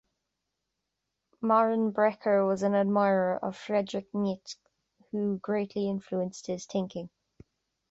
Maurenbrecher was an admirer of Friedrich Nietzsche, who greatly influenced his thinking.